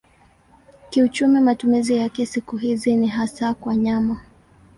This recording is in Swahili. Kiuchumi matumizi yake siku hizi ni hasa kwa nyama.